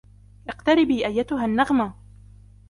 إقتربي أيتها النغمة.